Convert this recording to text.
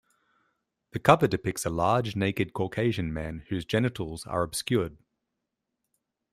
The cover depicts a large, naked Caucasian man, whose genitals are obscured.